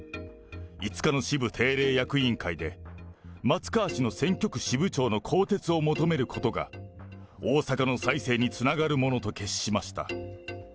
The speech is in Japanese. ５日の支部定例役員会で、松川氏の選挙区支部長の更迭を求めることが、大阪の再生につながるものと決しました。